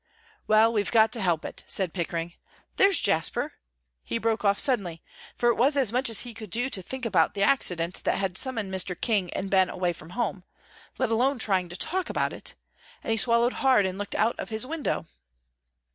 "Well, we've got to help it," said Pickering. "There's Jasper," he broke off suddenly, for it was as much as he could do to think about the accident that had summoned Mr. King and Ben away from home, let alone trying to talk about it, and he swallowed hard and looked out of his window.